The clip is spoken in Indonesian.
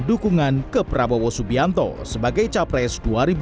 dukungan ke prabowo subianto sebagai capres dua ribu dua puluh